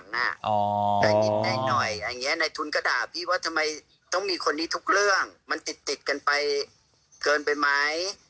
ในหน่อยอย่างเงี้ยในทุนก็ด่าพี่ว่าทำไมต้องมีคนนี้ทุกเรื่องมันติดกันไปเกินไปมั้ย